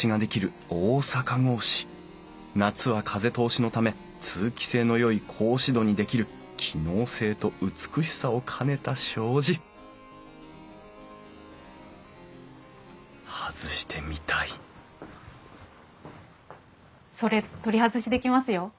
夏は風通しのため通気性のよい格子戸にできる機能性と美しさを兼ねた障子外してみたいそれ取り外しできますよ。